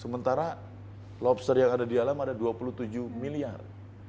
sementara lobster yang ada di alam ada dua puluh tujuh miliar